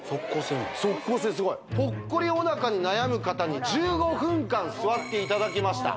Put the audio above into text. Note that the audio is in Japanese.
すごいぽっこりおなかに悩む方に１５分間座っていただきました